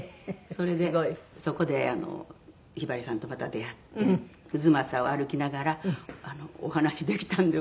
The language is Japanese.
それでそこでひばりさんとまた出会って太秦を歩きながらお話しできたんで。